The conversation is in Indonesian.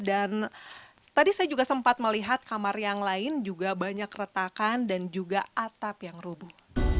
dan tadi saya juga sempat melihat kamar yang lain juga banyak retakan dan juga atap yang rubuh